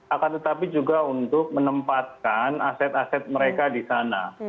akan tetapi juga untuk menempatkan aset aset mereka di sana